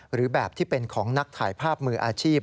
หรือแบบที่เป็นของนักถ่ายภาพมืออาชีพ